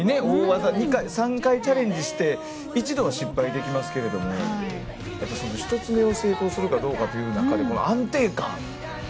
大技３回チャレンジして一度は失敗できますけれども１つ目を成功するかどうかという中で、この安定感。